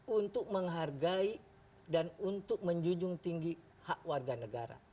untuk menghargai dan untuk menjunjung tinggi hak warga negara